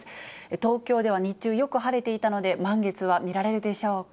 東京では、日中よく晴れていたので、満月は見られるでしょうか。